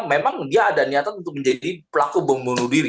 memang dia ada niatan untuk menjadi pelaku pembunuh diri